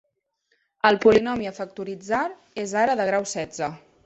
El polinomi a factoritzar és ara de grau setze.